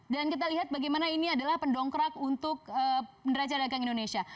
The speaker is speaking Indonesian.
dan kita lihat bagaimana ini adalah pendongkrak untuk neraca dagang indonesia